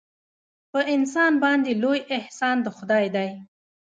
په انسان باندې لوی احسان د خدای دی.